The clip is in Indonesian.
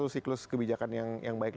siklus kebijakan yang baik